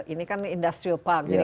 ini kan industrial park